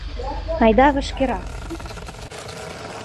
— Айда вашкерак!